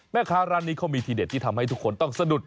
แม่ค้าร้านนี้เขามีทีเด็ดที่ทำให้ทุกคนต้องสะดุด